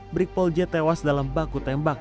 brikpol j tewas dalam baku tembak